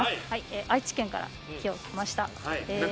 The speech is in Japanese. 愛知県から今日、来ました。